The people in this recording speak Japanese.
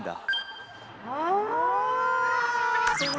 うん。